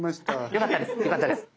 よかったです。